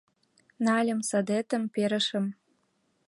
Нальым садетым, перышым...